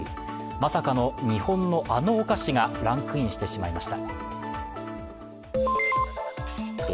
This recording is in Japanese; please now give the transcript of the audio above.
まさかの、日本のあのお菓子がランクインしてしまいました。